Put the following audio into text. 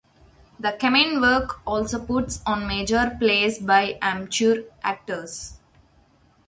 The "Kaminwerk" also puts on major plays by amateur actors.